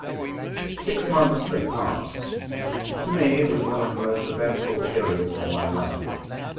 SIX months had passed. To me it was one of the most eventful periods of my life.